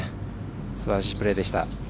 すばらしいプレーでした。